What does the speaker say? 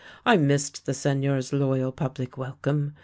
I missed the Seigneur's loyal public welcome.